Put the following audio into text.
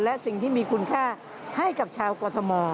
และสิ่งที่มีคุณค่าให้กับชาวกรทม